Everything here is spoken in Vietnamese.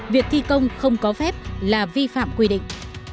việc thi công không có phép là vi phạm quy định